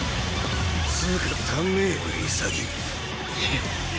つうか足んねえよ潔。